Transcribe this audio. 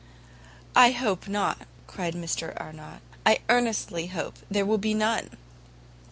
"I hope not," cried Mr Arnott, "I earnestly hope there will be none!"